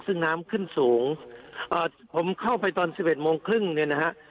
ซึ่งน้ำขึ้นสูงผมเข้าไปตอน๑๑โมงครึ่งเนี่ยนะฮะ